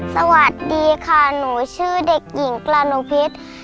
สวัสดีค่ะหนูชื่อเด็กหญิงกระนุพิษ